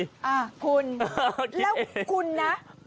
อ่าคุณแล้วคุณนะ